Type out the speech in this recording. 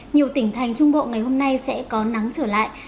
nhiều tỉnh thành trung bộ ngày hôm nay sẽ có nắng trở lại